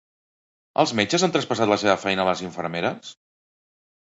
Els metges han traspassat la seva feina a les infermeres ?